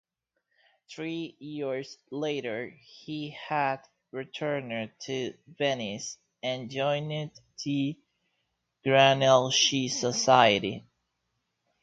Three years later, he had returned to Venice and joined the Granelleschi Society.